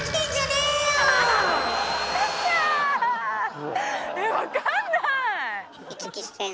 え分かんない！